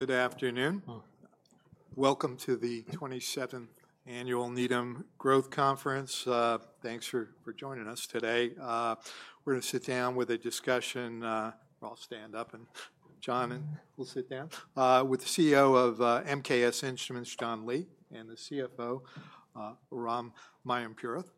Good afternoon. Welcome to the 27th Annual Needham Growth conference. Thanks for joining us today. We're going to sit down with a discussion. I'll stand up, and John, and we'll sit down with the CEO of MKS Instruments, John Lee, and the CFO, Ram Mayampurath.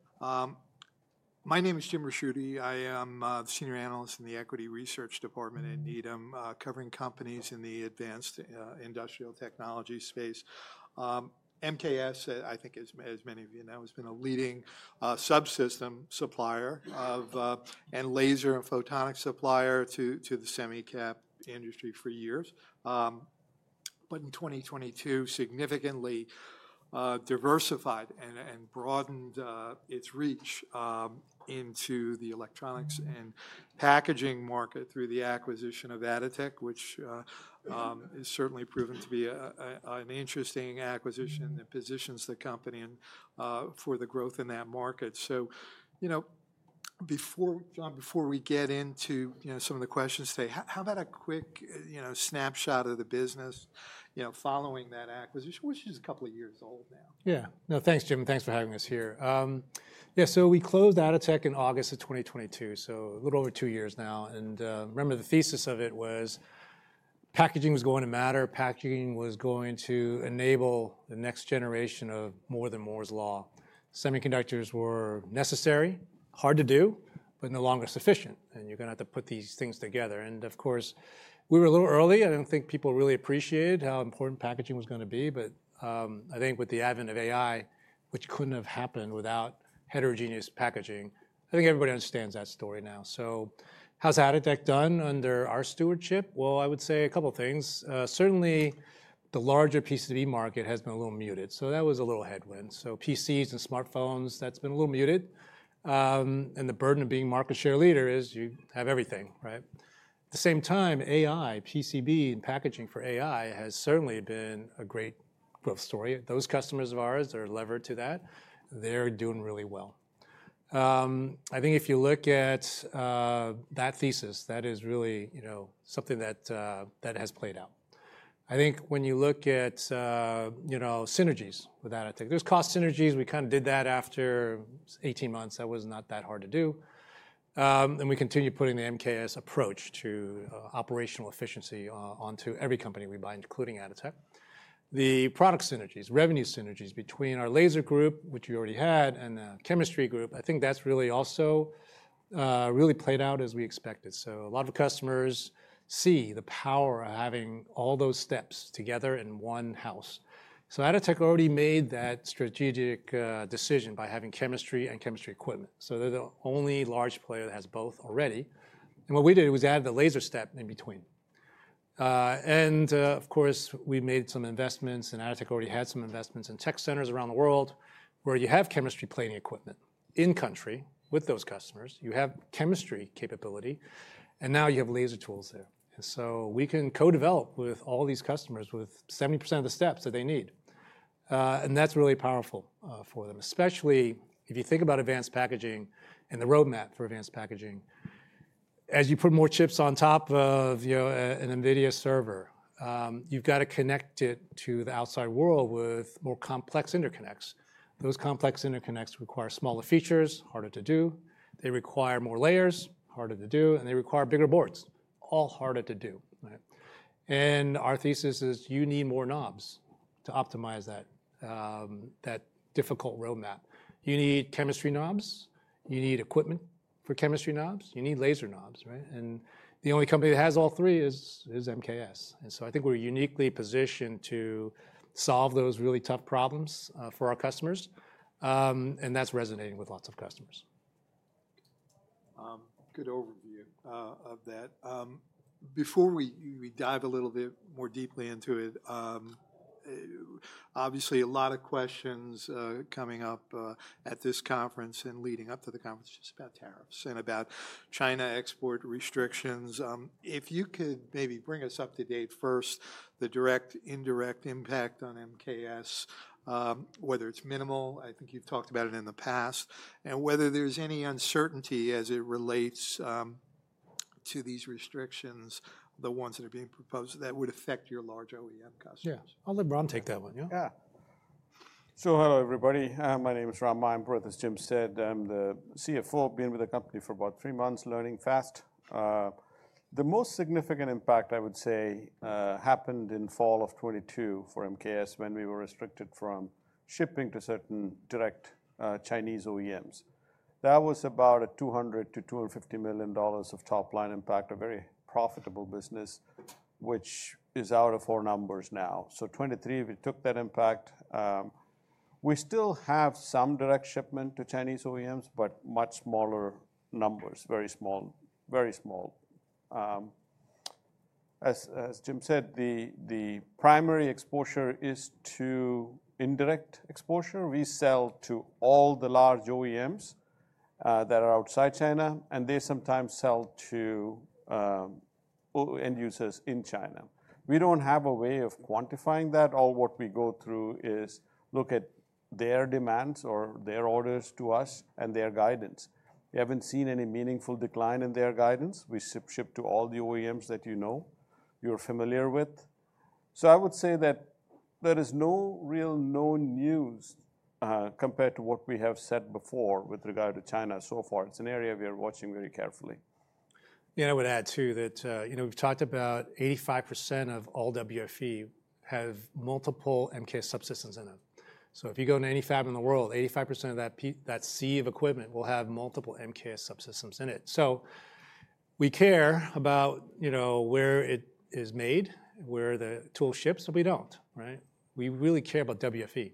My name is Jim Ricchiuti. I am the Senior Analyst in the Equity Research Department at Needham, covering companies in the advanced industrial technology space. MKS, I think, as many of you know, has been a leading subsystem supplier and laser and photonics supplier to the semiconductor industry for years. But in 2022, significantly diversified and broadened its reach into the electronics and packaging market through the acquisition of Atotech, which has certainly proven to be an interesting acquisition that positions the company for the growth in that market. You know, before we get into some of the questions today, how about a quick snapshot of the business following that acquisition, which is a couple of years old now? Yeah. No, thanks, Jim. Thanks for having us here. Yeah. So we closed Atotech in August of 2022, so a little over two years now. And remember, the thesis of it was packaging was going to matter. Packaging was going to enable the next generation of more than Moore's Law. Semiconductors were necessary, hard to do, but no longer sufficient. And you're going to have to put these things together. And of course, we were a little early. I don't think people really appreciated how important packaging was going to be. But I think with the advent of AI, which couldn't have happened without heterogeneous packaging, I think everybody understands that story now. So how's Atotech done under our stewardship? Well, I would say a couple of things. Certainly, the larger PCB market has been a little muted. So that was a little headwind. So PCs and smartphones, that's been a little muted. And the burden of being market share leader is you have everything, right? At the same time, AI, PCB, and packaging for AI has certainly been a great growth story. Those customers of ours are levered to that. They're doing really well. I think if you look at that thesis, that is really something that has played out. I think when you look at synergies with Atotech, there's cost synergies. We kind of did that after 18 months. That was not that hard to do. And we continue putting the MKS approach to operational efficiency onto every company we buy, including Atotech. The product synergies, revenue synergies between our laser group, which we already had, and the chemistry group, I think that's really also really played out as we expected. A lot of customers see the power of having all those steps together in one house. Atotech already made that strategic decision by having chemistry and chemistry equipment. They're the only large player that has both already. What we did was add the laser step in between. Of course, we made some investments, and Atotech already had some investments in tech centers around the world where you have chemistry plating equipment in-country with those customers. You have chemistry capability, and now you have laser tools there. We can co-develop with all these customers with 70% of the steps that they need. That's really powerful for them, especially if you think about advanced packaging and the roadmap for advanced packaging. As you put more chips on top of an NVIDIA server, you've got to connect it to the outside world with more complex interconnects. Those complex interconnects require smaller features, harder to do. They require more layers, harder to do, and they require bigger boards, all harder to do. And our thesis is you need more knobs to optimize that difficult roadmap. You need chemistry knobs. You need equipment for chemistry knobs. You need laser knobs. And the only company that has all three is MKS. And so I think we're uniquely positioned to solve those really tough problems for our customers. And that's resonating with lots of customers. Good overview of that. Before we dive a little bit more deeply into it, obviously a lot of questions coming up at this conference and leading up to the conference just about tariffs and about China export restrictions. If you could maybe bring us up to date first, the direct, indirect impact on MKS, whether it's minimal, I think you've talked about it in the past, and whether there's any uncertainty as it relates to these restrictions, the ones that are being proposed that would affect your large OEM customers? Yeah. I'll let Ram take that one. Yeah. Yeah. So hello, everybody. My name is Ram Mayampurath. As Jim said, I'm the CFO, been with the company for about three months, learning fast. The most significant impact, I would say, happened in fall of 2022 for MKS when we were restricted from shipping to certain direct Chinese OEMs. That was about a $200 million-$250 million of top-line impact, a very profitable business, which is out of our numbers now. So 2023, we took that impact. We still have some direct shipment to Chinese OEMs, but much smaller numbers, very small, very small. As Jim said, the primary exposure is to indirect exposure. We sell to all the large OEMs that are outside China, and they sometimes sell to end users in China. We don't have a way of quantifying that. All what we go through is look at their demands or their orders to us and their guidance. We haven't seen any meaningful decline in their guidance. We ship to all the OEMs that you know, you're familiar with, so I would say that there is no real known news compared to what we have said before with regard to China so far. It's an area we are watching very carefully. Yeah. And I would add too that we've talked about 85% of all WFE have multiple MKS subsystems in them. So if you go in any fab in the world, 85% of that sea of equipment will have multiple MKS subsystems in it. So we care about where it is made, where the tool ships, and we don't, right? We really care about WFE.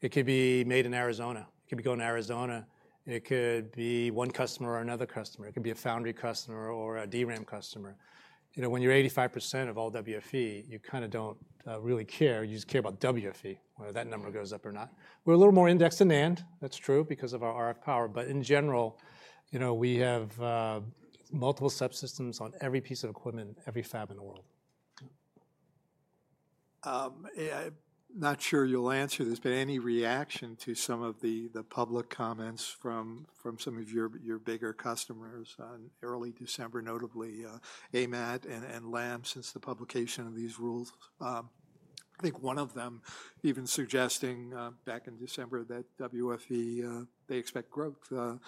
It could be made in Arizona. It could be going to Arizona. It could be one customer or another customer. It could be a foundry customer or a DRAM customer. When you're 85% of all WFE, you kind of don't really care. You just care about WFE, whether that number goes up or not. We're a little more indexed in NAND. That's true because of our RF power. But in general, we have multiple subsystems on every piece of equipment, every fab in the world. I'm not sure you'll answer this, but any reaction to some of the public comments from some of your bigger customers in early December, notably AMAT and Lam since the publication of these rules? I think one of them even suggesting back in December that WFE, they expect growth in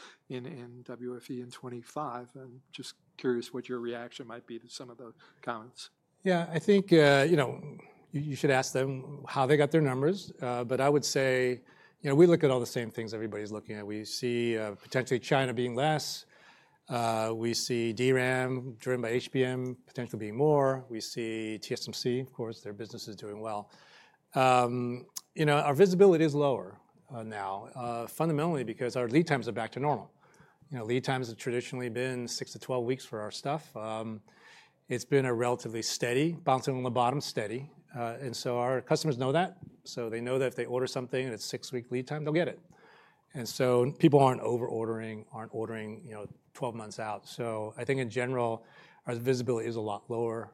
WFE in 2025. I'm just curious what your reaction might be to some of the comments. Yeah. I think you should ask them how they got their numbers, but I would say we look at all the same things everybody's looking at. We see potentially China being less. We see DRAM driven by HBM potentially being more. We see TSMC, of course, their business is doing well. Our visibility is lower now fundamentally because our lead times are back to normal. Lead times have traditionally been 6-12 weeks for our stuff. It's been a relatively steady bouncing on the bottom, steady. Our customers know that, so they know that if they order something and it's six-week lead time, they'll get it. People aren't over-ordering, aren't ordering 12 months out. I think in general, our visibility is a lot lower.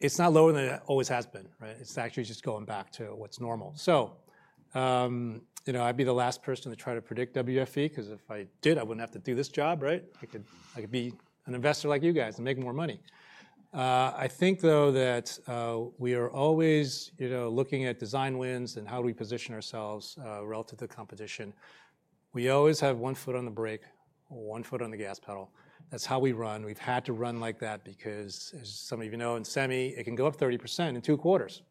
It's not lower than it always has been, right? It's actually just going back to what's normal. I'd be the last person to try to predict WFE because if I did, I wouldn't have to do this job, right? I could be an investor like you guys and make more money. I think, though, that we are always looking at design wins and how do we position ourselves relative to competition. We always have one foot on the brake or one foot on the gas pedal. That's how we run. We've had to run like that because, as some of you know, in semi, it can go up 30% in two quarters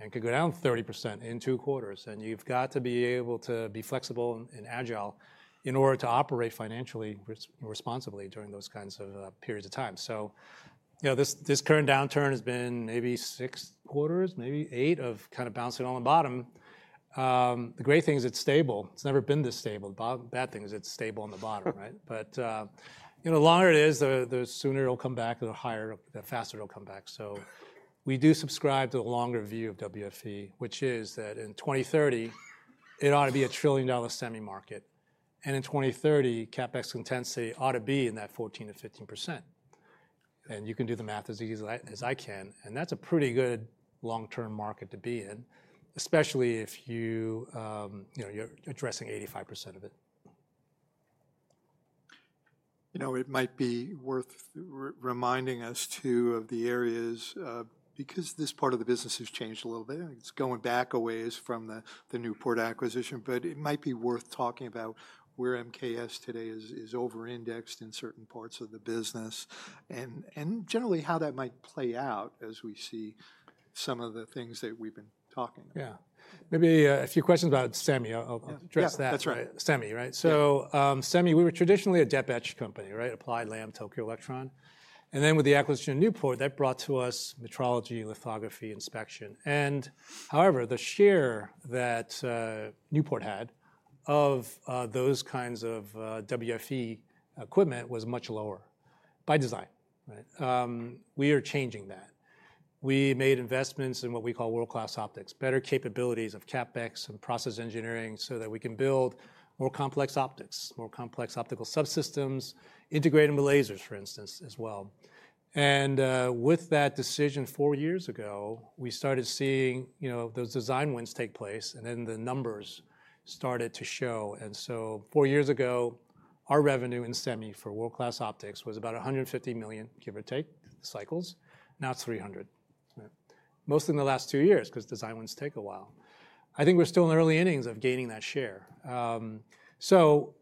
and can go down 30% in two quarters. And you've got to be able to be flexible and agile in order to operate financially responsibly during those kinds of periods of time. So this current downturn has been maybe six quarters, maybe eight of kind of bouncing on the bottom. The great thing is it's stable. It's never been this stable. The bad thing is it's stable on the bottom, right? But the longer it is, the sooner it'll come back, the faster it'll come back. So we do subscribe to the longer view of WFE, which is that in 2030, it ought to be a trillion-dollar semi market. And in 2030, CapEx intensity ought to be in that 14%-15%. And you can do the math as easily as I can. And that's a pretty good long-term market to be in, especially if you're addressing 85% of it. It might be worth reminding us, too, of the areas because this part of the business has changed a little bit. It's going back a ways from the Newport acquisition. But it might be worth talking about where MKS today is over-indexed in certain parts of the business and generally how that might play out as we see some of the things that we've been talking about. Yeah. Maybe a few questions about semi. I'll address that. Yeah. That's right. Semi, right? So semi, we were traditionally a Dep/Etch company, right? Applied, Lam, Tokyo Electron. And then with the acquisition of Newport, that brought to us metrology, lithography, inspection. And however, the share that Newport had of those kinds of WFE equipment was much lower by design, right? We are changing that. We made investments in what we call World Class Optics, better capabilities of CapEx and process engineering so that we can build more complex optics, more complex optical subsystems, integrating the lasers, for instance, as well. And with that decision four years ago, we started seeing those design wins take place, and then the numbers started to show. And so four years ago, our revenue in semi for World Class Optics was about $150 million, give or take, cycles. Now it's $300 million, mostly in the last two years because design wins take a while. I think we're still in the early innings of gaining that share. So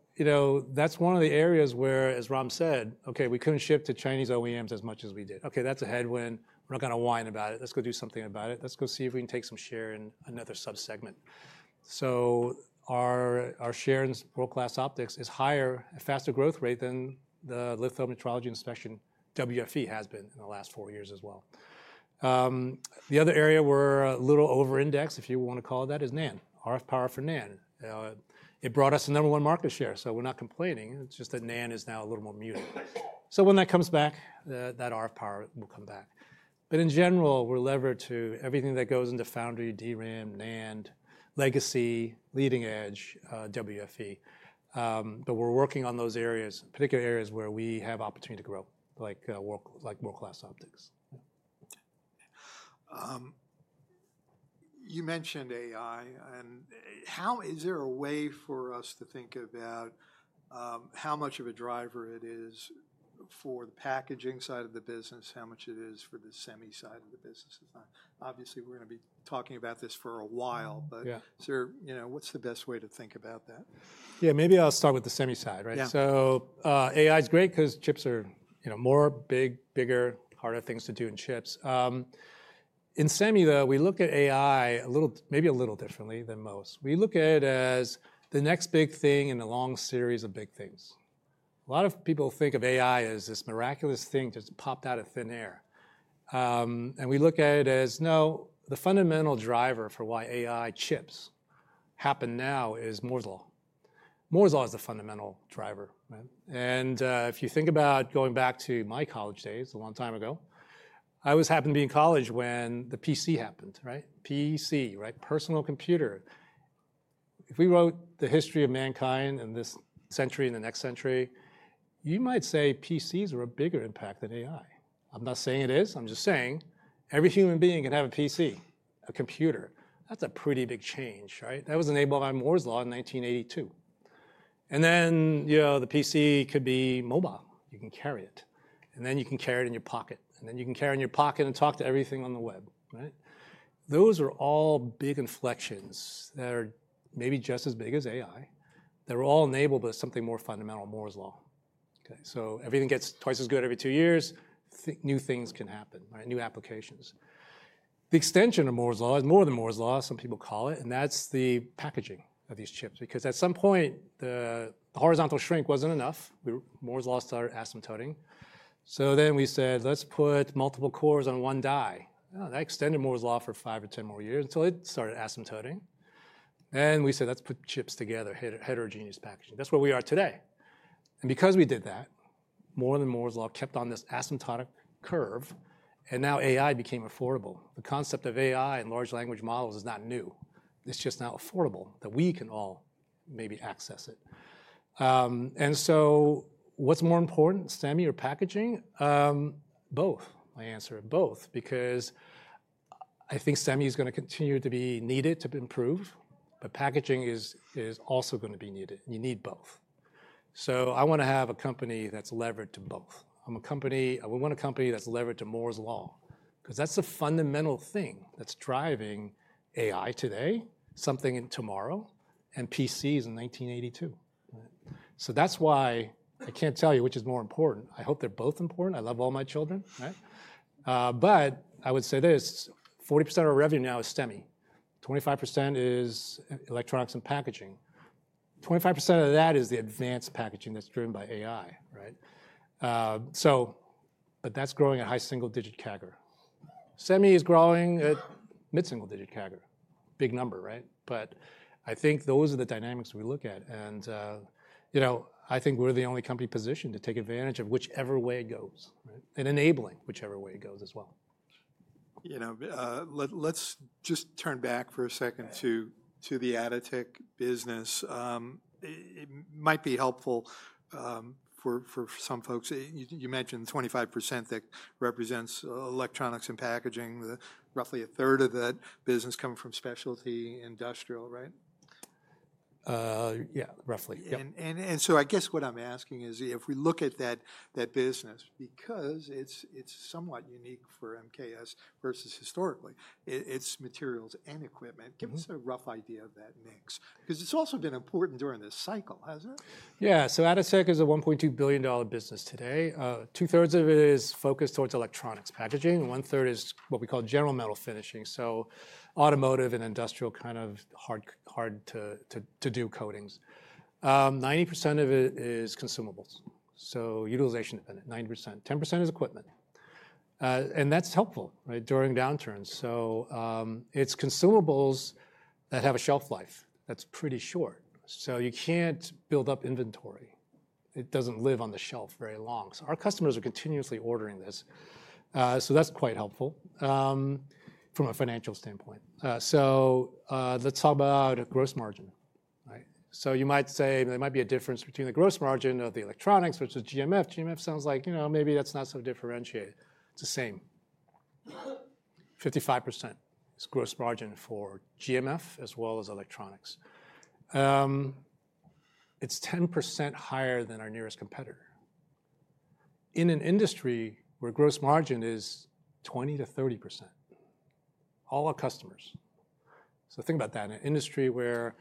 that's one of the areas where, as Ram said, okay, we couldn't ship to Chinese OEMs as much as we did. Okay, that's a headwind. We're not going to whine about it. Let's go do something about it. Let's go see if we can take some share in another subsegment. So our share in World Class Optics is higher, a faster growth rate than the litho metrology inspection WFE has been in the last four years as well. The other area we're a little over-indexed, if you want to call it that, is NAND, RF power for NAND. It brought us a number one market share. So we're not complaining. It's just that NAND is now a little more muted. So when that comes back, that RF power will come back. But in general, we're levered to everything that goes into foundry, DRAM, NAND, legacy, leading edge, WFE. But we're working on those areas, particular areas where we have opportunity to grow, like World Class Optics. You mentioned AI. And is there a way for us to think about how much of a driver it is for the packaging side of the business, how much it is for the semi side of the business? Obviously, we're going to be talking about this for a while. But what's the best way to think about that? Yeah. Maybe I'll start with the semi side, right? So AI is great because chips are more big, bigger, harder things to do in chips. In semi, though, we look at AI maybe a little differently than most. We look at it as the next big thing in a long series of big things. A lot of people think of AI as this miraculous thing just popped out of thin air. And we look at it as, no, the fundamental driver for why AI chips happen now is Moore's Law. Moore's Law is the fundamental driver, right? And if you think about going back to my college days, a long time ago, I was happy to be in college when the PC happened, right? PC, right? Personal computer. If we wrote the history of mankind in this century and the next century, you might say PCs are a bigger impact than AI. I'm not saying it is. I'm just saying every human being can have a PC, a computer. That's a pretty big change, right? That was enabled by Moore's Law in 1982, and then the PC could be mobile. You can carry it, and then you can carry it in your pocket, and then you can carry it in your pocket and talk to everything on the web, right? Those are all big inflections that are maybe just as big as AI. They were all enabled by something more fundamental, Moore's Law. Okay, so everything gets twice as good every two years. New things can happen, right? New applications. The extension of Moore's Law is more than Moore, some people call it. And that's the packaging of these chips because at some point, the horizontal shrink wasn't enough. Moore's Law started asymptoting. So then we said, let's put multiple cores on one die. That extended Moore's Law for five or 10 more years until it started asymptoting. And we said, let's put chips together, heterogeneous packaging. That's where we are today. And because we did that, more than Moore's Law kept on this asymptotic curve. And now AI became affordable. The concept of AI and large language models is not new. It's just now affordable that we can all maybe access it. And so what's more important, semi or packaging? Both, my answer. Both, because I think semi is going to continue to be needed to improve, but packaging is also going to be needed. You need both. So I want to have a company that's levered to both. I want a company that's levered to Moore's Law because that's the fundamental thing that's driving AI today, something tomorrow, and PCs in 1982, right? So that's why I can't tell you which is more important. I hope they're both important. I love all my children, right? But I would say this, 40% of our revenue now is semi. 25% is electronics and packaging. 25% of that is the advanced packaging that's driven by AI, right? But that's growing at high single-digit CAGR. Semi is growing at mid-single-digit CAGR. Big number, right? But I think those are the dynamics we look at. And I think we're the only company positioned to take advantage of whichever way it goes, right? And enabling whichever way it goes as well. Let's just turn back for a second to the Atotech business. It might be helpful for some folks. You mentioned 25% that represents electronics and packaging, roughly a third of that business coming from specialty industrial, right? Yeah, roughly. I guess what I'm asking is if we look at that business, because it's somewhat unique for MKS versus historically, its materials and equipment, give us a rough idea of that mix because it's also been important during this cycle, hasn't it? Yeah. So Atotech is a $1.2 billion business today. Two-thirds of it is focused towards electronics packaging. One-third is what we call general metal finishing, so automotive and industrial kind of hard-to-do coatings. 90% of it is consumables. So utilization dependent, 90%. 10% is equipment. And that's helpful, right, during downturns. So it's consumables that have a shelf life that's pretty short. So you can't build up inventory. It doesn't live on the shelf very long. So our customers are continuously ordering this. So that's quite helpful from a financial standpoint. So let's talk about gross margin, right? So you might say there might be a difference between the gross margin of the electronics, which is GMF. GMF sounds like maybe that's not so differentiated. It's the same. 55% is gross margin for GMF as well as electronics. It's 10% higher than our nearest competitor. In an industry where gross margin is 20%-30%, all our customers. So think about that. In an industry where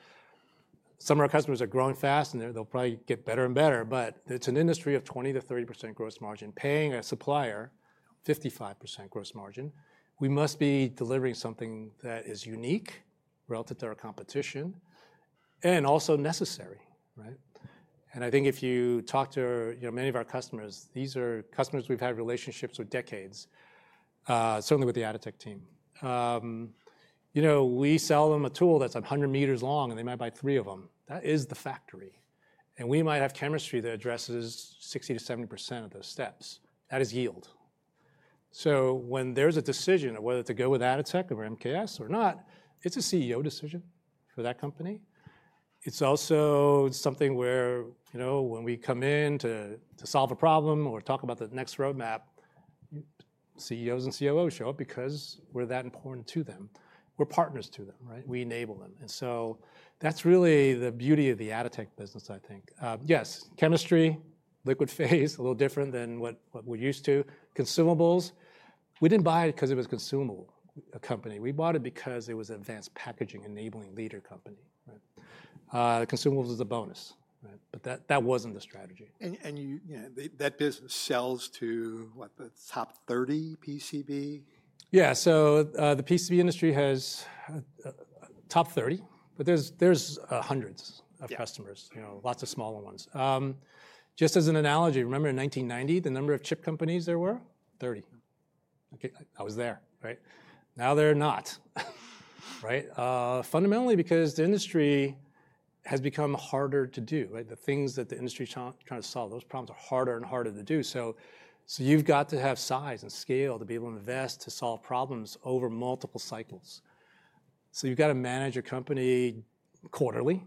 some of our customers are growing fast, and they'll probably get better and better, but it's an industry of 20%-30% gross margin, paying a supplier 55% gross margin, we must be delivering something that is unique relative to our competition and also necessary, right? And I think if you talk to many of our customers, these are customers we've had relationships with decades, certainly with the Atotech team. We sell them a tool that's 100 meters long, and they might buy three of them. That is the factory. And we might have chemistry that addresses 60%-70% of those steps. That is yield. So when there's a decision of whether to go with Atotech or MKS or not, it's a CEO decision for that company. It's also something where when we come in to solve a problem or talk about the next roadmap, CEOs and COOs show up because we're that important to them. We're partners to them, right? We enable them. And so that's really the beauty of the Atotech business, I think. Yes, chemistry, liquid phase, a little different than what we're used to. Consumables, we didn't buy it because it was a consumable company. We bought it because it was an advanced packaging enabling leader company, right? Consumables is a bonus, right? But that wasn't the strategy. And that business sells to what, the top 30 PCB? Yeah. So the PCB industry has top 30, but there's hundreds of customers, lots of smaller ones. Just as an analogy, remember in 1990, the number of chip companies there were? 30. I was there, right? Now they're not, right? Fundamentally because the industry has become harder to do, right? The things that the industry is trying to solve, those problems are harder and harder to do. So you've got to have size and scale to be able to invest to solve problems over multiple cycles. So you've got to manage your company quarterly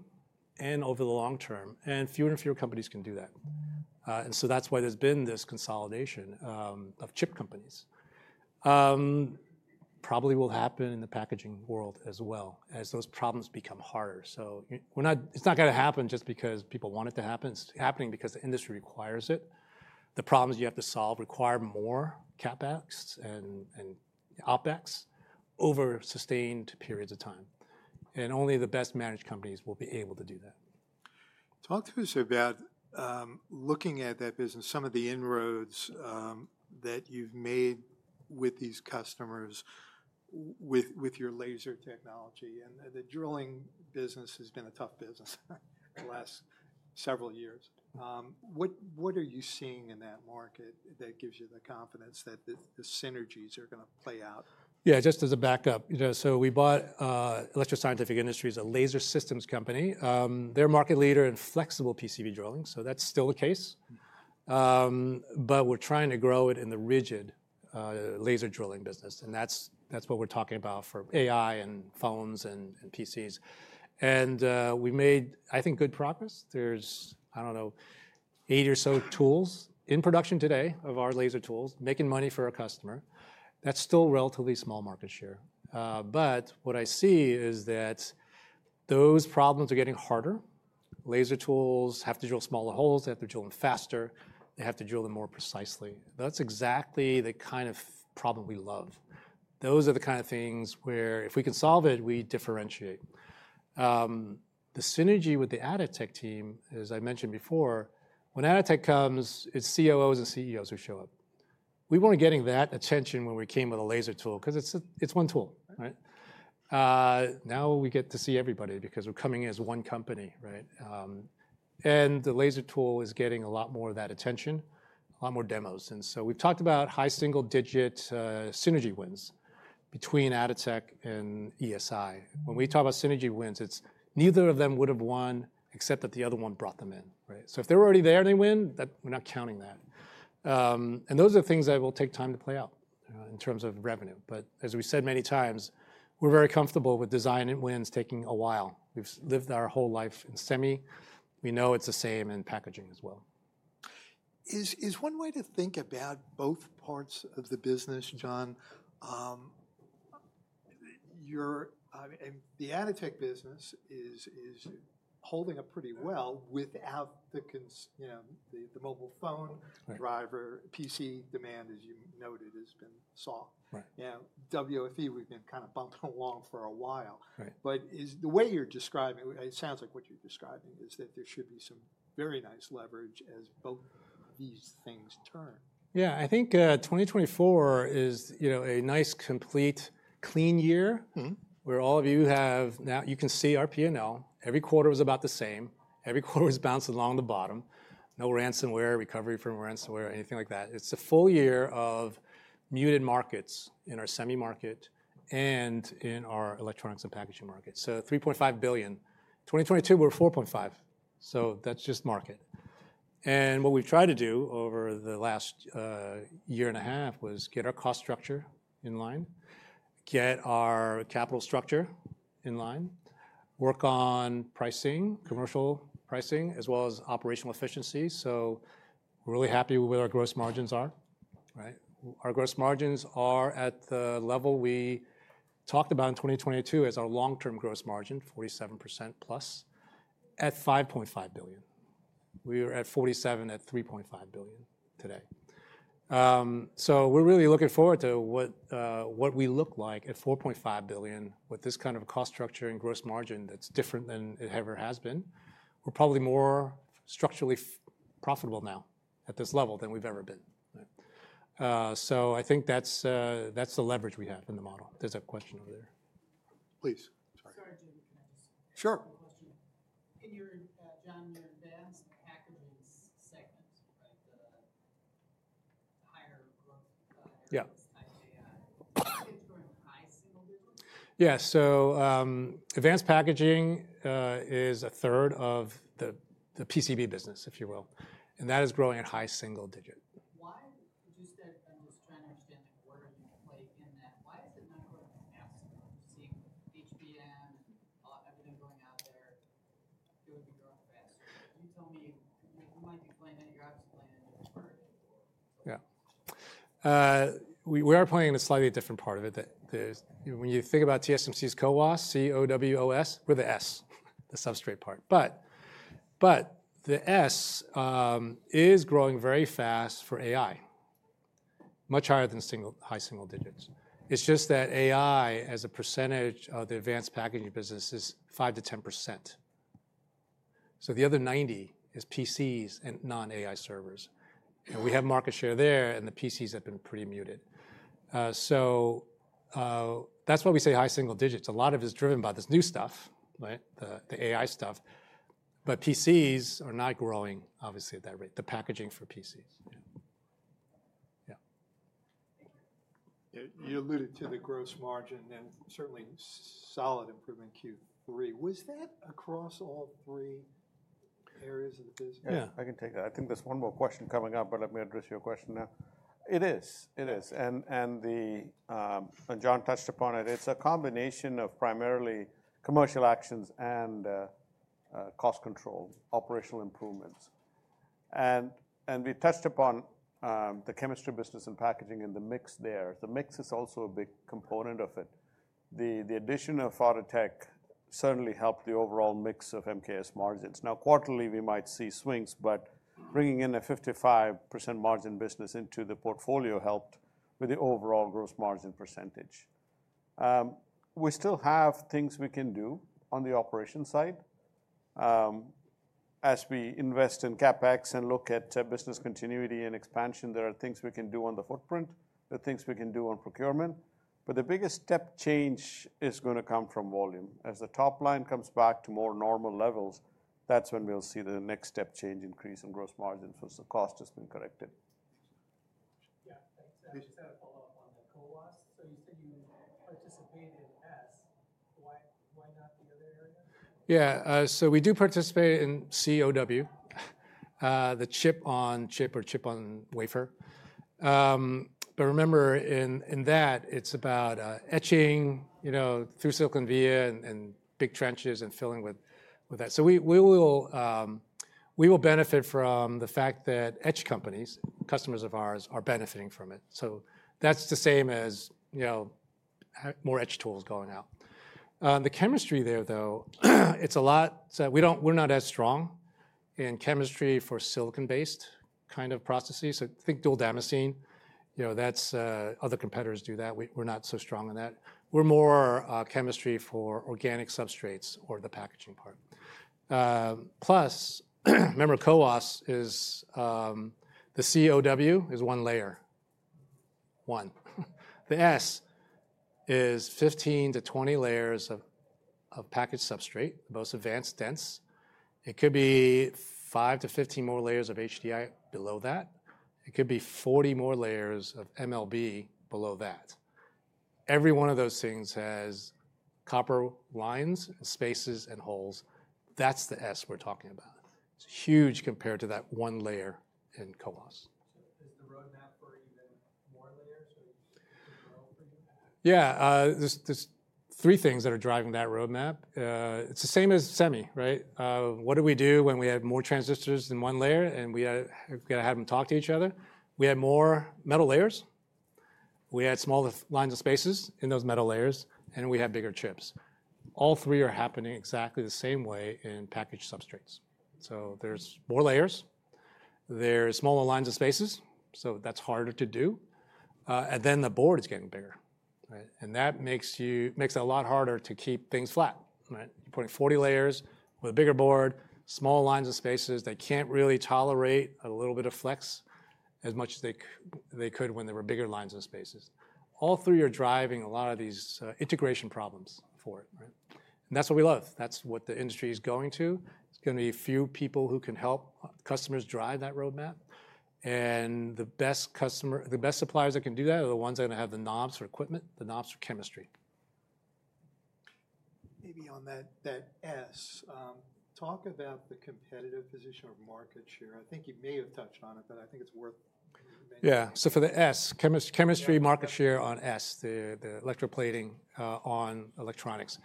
and over the long term. And fewer and fewer companies can do that. And so that's why there's been this consolidation of chip companies. Probably will happen in the packaging world as well as those problems become harder. So it's not going to happen just because people want it to happen. It's happening because the industry requires it. The problems you have to solve require more CapEx and OpEx over sustained periods of time, and only the best managed companies will be able to do that. Talk to us about looking at that business, some of the inroads that you've made with these customers with your laser technology, and the drilling business has been a tough business for the last several years. What are you seeing in that market that gives you the confidence that the synergies are going to play out? Yeah, just as a backup. So we bought Electro Scientific Industries, a laser systems company. They're a market leader in flexible PCB drilling. So that's still the case. But we're trying to grow it in the rigid laser drilling business. And that's what we're talking about for AI and phones and PCs. And we made, I think, good progress. There's, I don't know, eight or so tools in production today of our laser tools, making money for our customer. That's still relatively small market share. But what I see is that those problems are getting harder. Laser tools have to drill smaller holes. They have to drill them faster. They have to drill them more precisely. That's exactly the kind of problem we love. Those are the kind of things where if we can solve it, we differentiate. The synergy with the Atotech team, as I mentioned before, when Atotech comes, it's COOs and CEOs who show up. We weren't getting that attention when we came with a laser tool because it's one tool, right? Now we get to see everybody because we're coming as one company, right? And the laser tool is getting a lot more of that attention, a lot more demos. And so we've talked about high single-digit synergy wins between Atotech and ESI. When we talk about synergy wins, it's neither of them would have won except that the other one brought them in, right? So if they're already there and they win, we're not counting that. And those are things that will take time to play out in terms of revenue. But as we said many times, we're very comfortable with design and wins taking a while. We've lived our whole life in semi. We know it's the same in packaging as well. Is one way to think about both parts of the business, John? The Atotech business is holding up pretty well without the mobile phone driver. PC demand, as you noted, has been soft. WFE, we've been kind of bumping along for a while. But the way you're describing it, it sounds like what you're describing is that there should be some very nice leverage as both these things turn. Yeah. I think 2024 is a nice, complete, clean year where all of you now, you can see our P&L. Every quarter was about the same. Every quarter was bouncing along the bottom. No ransomware, recovery from ransomware, anything like that. It's a full year of muted markets in our semi market and in our electronics and packaging market, so $3.5 billion. 2022, we were $4.5 billion. So that's just market, and what we've tried to do over the last year and a half was get our cost structure in line, get our capital structure in line, work on pricing, commercial pricing, as well as operational efficiency, so we're really happy with where our gross margins are, right? Our gross margins are at the level we talked about in 2022 as our long-term gross margin, 47% plus, at $5.5 billion. We were at 47% at $3.5 billion today. So we're really looking forward to what we look like at $4.5 billion with this kind of cost structure and gross margin that's different than it ever has been. We're probably more structurally profitable now at this level than we've ever been, right? So I think that's the leverage we have in the model. There's a question over there. Please. Sure. Yeah, so advanced packaging is a third of the PCB business, if you will, and that is growing at high single digit. Why would you say? I'm just trying to understand like where you play in that. Why is it not growing as fast? I'm seeing HBM and everything going out there. It would be growing faster. You tell me. Yeah. We are playing in a slightly different part of it. When you think about TSMC's CoWoS, C-O-W-O-S, we're the S, the substrate part. But the S is growing very fast for AI, much higher than high single digits. It's just that AI, as a percentage of the advanced packaging business, is 5%-10%. So the other 90% is PCs and non-AI servers. And we have market share there, and the PCs have been pretty muted. So that's why we say high single digits. A lot of it is driven by this new stuff, right? The AI stuff. But PCs are not growing, obviously, at that rate. The packaging for PCs. Yeah. You alluded to the gross margin and certainly solid improvement Q3. Was that across all three areas of the business? Yeah, I can take that. I think there's one more question coming up, but let me address your question now. It is. It is, and John touched upon it. It's a combination of primarily commercial actions and cost control, operational improvements, and we touched upon the chemistry business and packaging and the mix there. The mix is also a big component of it. The addition of Atotech certainly helped the overall mix of MKS margins. Now, quarterly, we might see swings, but bringing in a 55% margin business into the portfolio helped with the overall gross margin percentage. We still have things we can do on the operation side. As we invest in CapEx and look at business continuity and expansion, there are things we can do on the footprint. There are things we can do on procurement. But the biggest step change is going to come from volume. As the top line comes back to more normal levels, that's when we'll see the next step change increase in gross margins because the cost has been corrected. Yeah. Just to follow up on the CoWoS. So you said you participate in S. Why not the other area? Yeah. So we do participate in CoW, the chip-on-wafer. But remember, in that, it's about etching through-silicon via and big trenches and filling with that. So we will benefit from the fact that etch companies, customers of ours, are benefiting from it. So that's the same as more etch tools going out. The chemistry there, though, it's a lot we're not as strong in chemistry for silicon-based kind of processes. So think dual-damascene. Other competitors do that. We're not so strong in that. We're more chemistry for organic substrates or the packaging part. Plus, remember, CoWoS is the CoW is one layer. One. The S is 15-20 layers of package substrate, the most advanced, dense. It could be 5-15 more layers of HDI below that. It could be 40 more layers of MLB below that. Every one of those things has copper lines and spaces and holes. That's the HDI we're talking about. It's huge compared to that one layer in CoWoS. Yeah. There's three things that are driving that roadmap. It's the same as semi, right? What do we do when we have more transistors than one layer and we got to have them talk to each other? We have more metal layers. We add smaller lines of spaces in those metal layers, and we have bigger chips. All three are happening exactly the same way in package substrates. So there's more layers. There are smaller lines of spaces. So that's harder to do. And then the board is getting bigger, right? And that makes it a lot harder to keep things flat, right? You're putting 40 layers with a bigger board, small lines of spaces. They can't really tolerate a little bit of flex as much as they could when there were bigger lines of spaces. All three are driving a lot of these integration problems for it, right? And that's what we love. That's what the industry is going to. It's going to be a few people who can help customers drive that roadmap. And the best suppliers that can do that are the ones that are going to have the knobs for equipment, the knobs for chemistry. Maybe on that S, talk about the competitive position or market share. I think you may have touched on it, but I think it's worth. Yeah. So for the S, chemistry market share on S, the electroplating on electronics.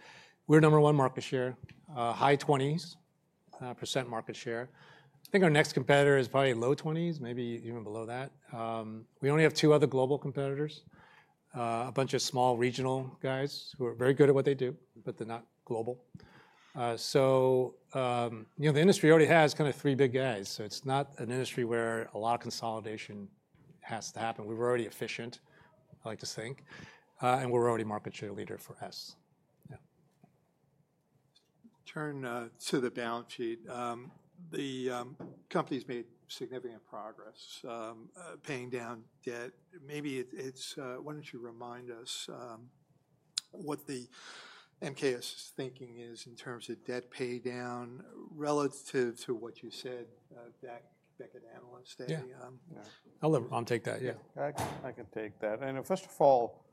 We're number one market share, high 20s% market share. I think our next competitor is probably low 20s%, maybe even below that. We only have two other global competitors, a bunch of small regional guys who are very good at what they do, but they're not global. So the industry already has kind of three big guys. So it's not an industry where a lot of consolidation has to happen. We're already efficient, I like to think. And we're already market share leader for S. Yeah. Turn to the balance sheet. The company's made significant progress paying down debt. Maybe why don't you remind us what the MKS thinking is in terms of debt pay down relative to what you said back at analyst day? I'll take that. Yeah. I can take that and first of all,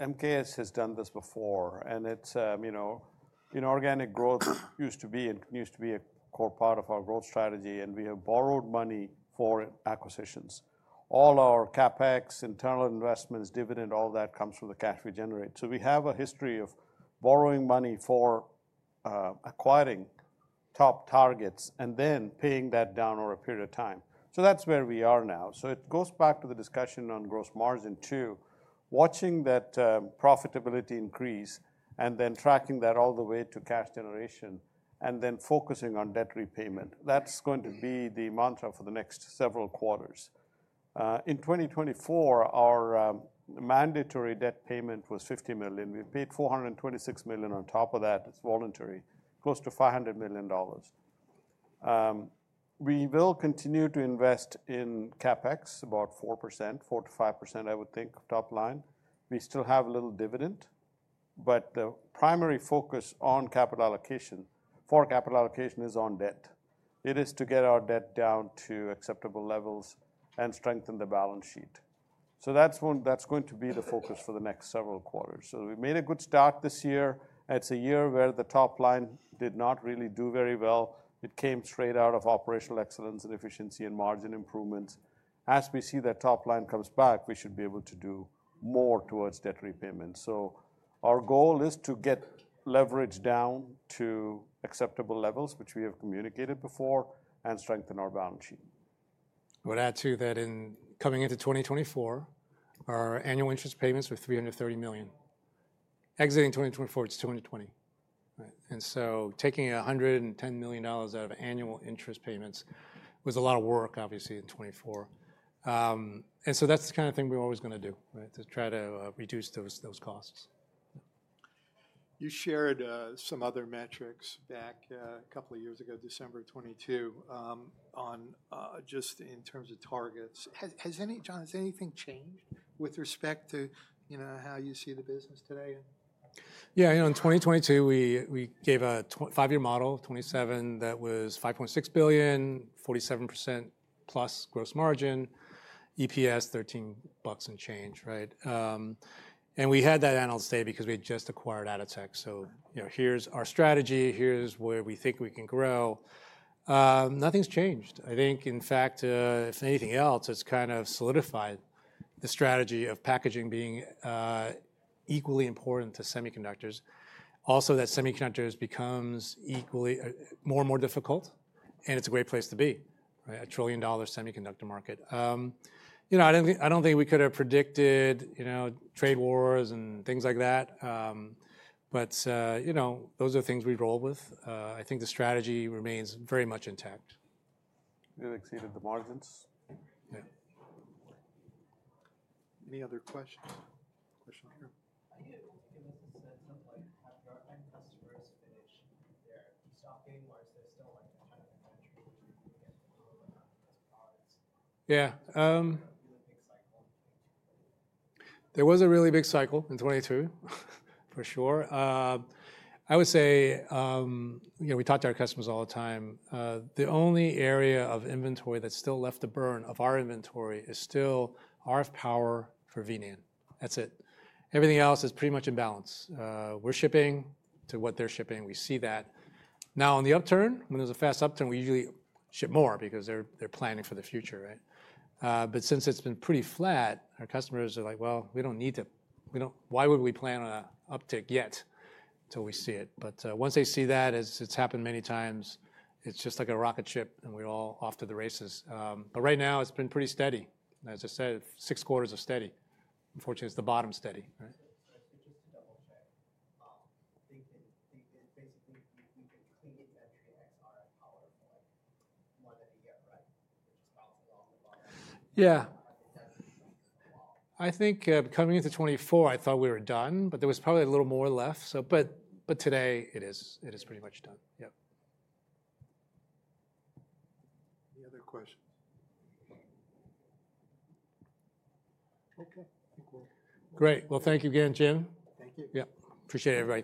MKS has done this before and in organic growth, used to be a core part of our growth strategy and we have borrowed money for acquisitions. All our CapEx, internal investments, dividend, all that comes from the cash we generate, so we have a history of borrowing money for acquiring top targets and then paying that down over a period of time, so that's where we are now, so it goes back to the discussion on gross margin too, watching that profitability increase and then tracking that all the way to cash generation and then focusing on debt repayment. That's going to be the mantra for the next several quarters. In 2024, our mandatory debt payment was $50 million. We paid $426 million on top of that. It's voluntary, close to $500 million. We will continue to invest in CapEx, about 4%, 4%-5%, I would think, top line. We still have a little dividend, but the primary focus on capital allocation, for capital allocation is on debt. It is to get our debt down to acceptable levels and strengthen the balance sheet. So that's going to be the focus for the next several quarters. So we made a good start this year. It's a year where the top line did not really do very well. It came straight out of operational excellence and efficiency and margin improvements. As we see that top line comes back, we should be able to do more towards debt repayment. So our goal is to get leverage down to acceptable levels, which we have communicated before, and strengthen our balance sheet. I would add to that. In coming into 2024, our annual interest payments were $330 million. Exiting 2024, it's $220 million. And so taking $110 million out of annual interest payments was a lot of work, obviously, in 2024. And so that's the kind of thing we're always going to do, right, to try to reduce those costs. You shared some other metrics back a couple of years ago, December 2022, just in terms of targets. John, has anything changed with respect to how you see the business today? Yeah. In 2022, we gave a five-year model, 2027, that was $5.6 billion, 47% plus gross margin, EPS $13 and change, right? And we had that analyst day because we had just acquired Atotech. So here's our strategy. Here's where we think we can grow. Nothing's changed. I think, in fact, if anything else, it's kind of solidified the strategy of packaging being equally important to semiconductors. Also, that semiconductors becomes more and more difficult, and it's a great place to be, right? A $1 trillion semiconductor market. I don't think we could have predicted trade wars and things like that. But those are things we roll with. I think the strategy remains very much intact. We've exceeded the margins. Yeah. Any other questions? Question here? I do. Just give us a sense of how did our end customers finish their stocking? Yeah. There was a really big cycle in 2022, for sure. I would say we talk to our customers all the time. The only area of inventory that's still left to burn of our inventory is still RF Power for V-NAND. That's it. Everything else is pretty much in balance. We're shipping to what they're shipping. We see that. Now, on the upturn, when there's a fast upturn, we usually ship more because they're planning for the future, right, but since it's been pretty flat, our customers are like, "Well, we don't need to. Why would we plan on an uptick yet until we see it?" but once they see that, as it's happened many times, it's just like a rocket ship, and we're all off to the races, but right now, it's been pretty steady. As I said, six quarters are steady. Unfortunately, it's the bottom steady, right? Yeah. I think coming into 2024, I thought we were done, but there was probably a little more left. But today, it is pretty much done. Yep. Any other questions? Okay. Great. Well, thank you again, Jim. Thank you. Yeah. Appreciate it, Ram.